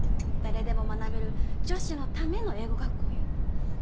誰でも学べる女子のための英語学校よ。